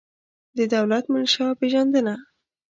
د دولت د منشا پېژندنه